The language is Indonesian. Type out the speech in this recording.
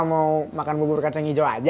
pak mau makan bubur kacang ijo aja